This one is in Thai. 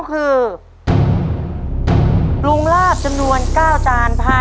ต้นไม้ประจำจังหวัดระยองการครับ